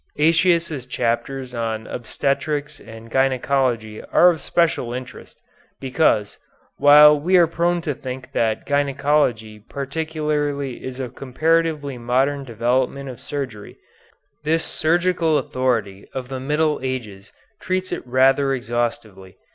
Aëtius' chapters on obstetrics and gynæcology are of special interest, because, while we are prone to think that gynæcology particularly is a comparatively modern development of surgery, this surgical authority of the early Middle Ages treats it rather exhaustively.